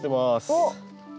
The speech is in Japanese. おっ。